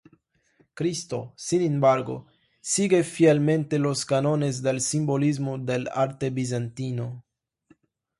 Cristo, sin embargo, sigue fielmente los cánones del simbolismo del arte bizantino.